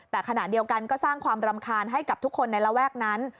แต่ขณะเดียวกันก็สร้างความรำคาญให้กับทุกคนในระแวกนั้น